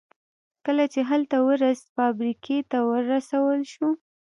کله چې هلته ورسېد فابریکې ته ورسول شو